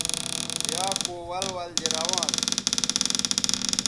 یا کو ول ول دے روان تھی